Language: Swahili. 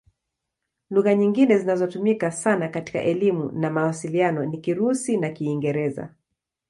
Lugha nyingine zinazotumika sana katika elimu na mawasiliano ni Kirusi na Kiingereza.